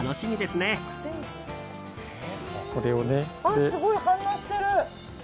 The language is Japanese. すごい。反応してる。